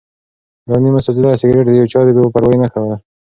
دا نیم سوځېدلی سګرټ د یو چا د بې پروایۍ نښه وه.